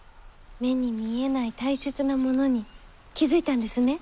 目に見えない大切なものに気付いたんですね。